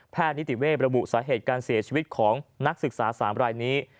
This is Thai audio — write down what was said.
นิติเวทระบุสาเหตุการเสียชีวิตของนักศึกษา๓รายนี้